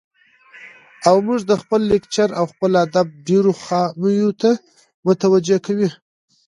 او موږ د خپل کلچر او خپل ادب ډېرو خاميو ته متوجه کوي.